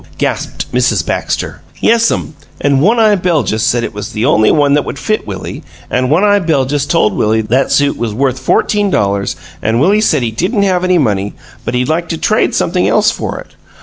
gasped Mrs. Baxter. "Yes'm, an' One eye Beljus said it was the only one that would fit Willie, an' One eye Beljus told Willie that suit was worth fourteen dollars, an' Willie said he didn't have any money, but he'd like to trade something else for it.